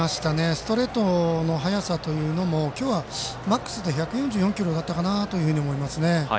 ストレートの速さも今日はマックスで１４４キロだったかなと思います。